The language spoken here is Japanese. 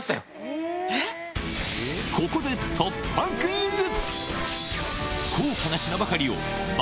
ここで突破クイズ！